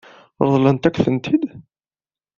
Ṛeḍlent-akent-ten-id?